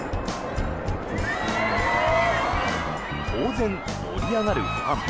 当然、盛り上がるファン。